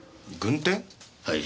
はい。